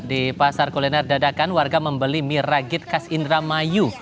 di pasar kuliner dadakan warga membeli mie ragit khas indramayu